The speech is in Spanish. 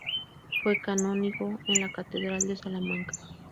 Fue canónigo en la catedral de Salamanca.